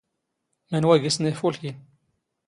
ⵎⴰⵏⵡⴰ ⴳⵉⵙⵏ ⴰ ⵉⴼⵓⵍⴽⵉⵏ?